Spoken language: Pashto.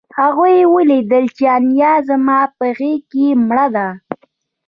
هغوی ولیدل چې انیلا زما په غېږ کې مړه ده